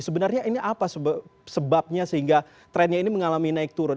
sebenarnya ini apa sebabnya sehingga trennya ini mengalami naik turun